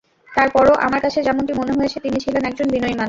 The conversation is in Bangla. তার পরও আমার কাছে যেমনটি মনে হয়েছে, তিনি ছিলেন একজন বিনয়ী মানুষ।